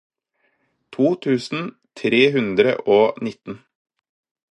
to tusen tre hundre og nitten